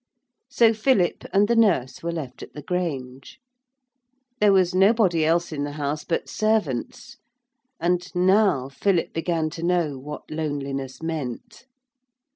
So Philip and the nurse were left at the Grange. There was nobody else in the house but servants. And now Philip began to know what loneliness meant.